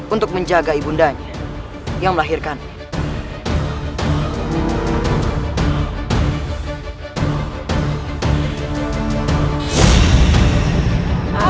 untuk menjaga ibundanya yang melahirkannya